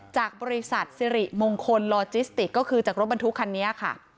จากบริษัทสิริมงคลลอจิสติกก็คือจากรถบรรทุกคันนี้ค่ะ